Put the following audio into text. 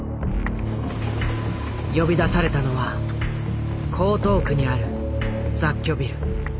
呼び出されたのは江東区にある雑居ビル。